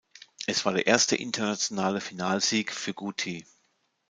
Es war der erste internationale Finalsieg für Guti.